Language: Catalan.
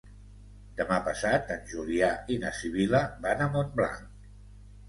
Demà passat en Julià i na Sibil·la van a Montblanc.